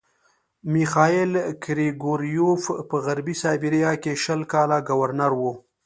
میخایل ګریګورویوف په غربي سایبیریا کې شل کاله ګورنر وو.